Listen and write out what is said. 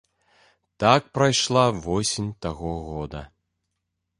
Так прайшла восень таго года.